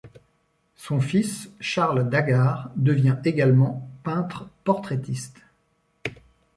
Son fils Charles d'Agar devient également peintre portraitiste.